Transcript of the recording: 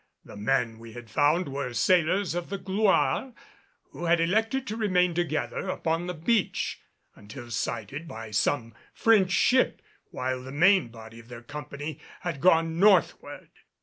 The men we had found were sailors of the Gloire, who had elected to remain together upon the beach, until sighted by some French ship while the main body of their company had gone northward.